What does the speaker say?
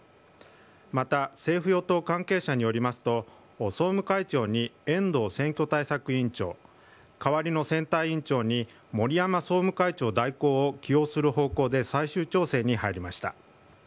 また政府・与党関係者によりますと、総務会長に遠藤選挙対策委員長、代わりの選対委員長に、森山総務会長代行を起用する方向で最終調整に入りました。